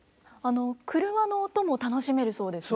廓の音も楽しめるそうですね。